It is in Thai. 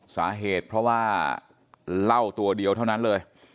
สาเหตุเพราะว่าเหล้าตัวเดียวเท่านั้นเลย